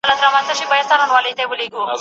د ریا کارو زاهدانو ټولۍ